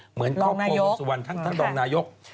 เหมือนครอบครัววงสุวรรณท่านรองนายก